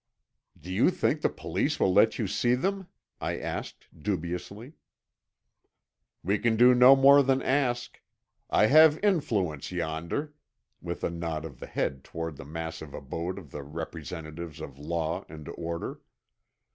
"Do you think the police will let you see them?" I asked dubiously. "We can do no more than ask. I have influence yonder," with a nod of the head toward the massive abode of the representatives of law and order.